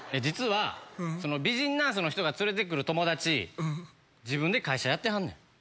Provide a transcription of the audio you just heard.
実は美人ナースの人が連れて来る友達自分で会社やってはんねん。